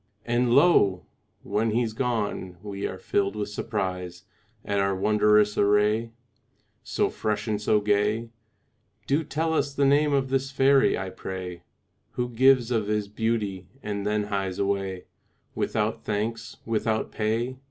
And lo! when he's gone we are filled with surprise At our wondrous array, So fresh and so gay. Do tell us the name of this fairy, I pray, Who gives of his beauty, and then hies away Without thanks, without pay.